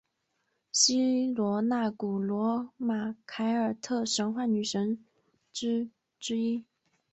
希罗纳古罗马凯尔特神话女性神只之一。